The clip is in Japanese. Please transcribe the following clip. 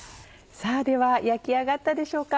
さぁでは焼き上がったでしょうか。